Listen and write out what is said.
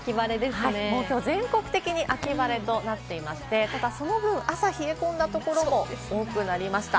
きょうは全国的に秋晴れとなっていまして、ただその分、朝は冷え込んだところも多くなりました。